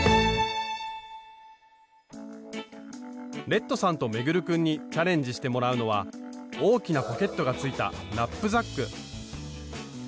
レッドさんと運君にチャレンジしてもらうのは大きなポケットがついたナップザック。